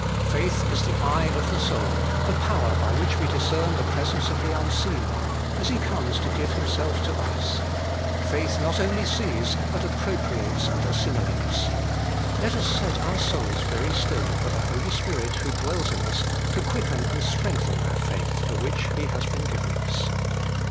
Faith is the eye of the soul: the power by which we discern the presence of the Unseen One, as He comes to give Himself to us. Faith not only sees, but appropriates and assimilates : let us set our souls very still for the Holy Spirit who dwells in us, to quicken and strengthen that faith, for which He has been given us.